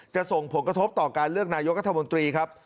ส่งผลกระทบต่อการเลือกนายกรัฐมนตรีครับ